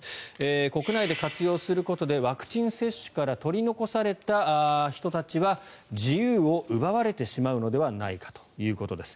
国内で活用することでワクチン接種から取り残された人たちは自由を奪われてしまうのではないかということです。